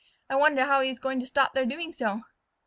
"I wonder how he is going to stop their doing so."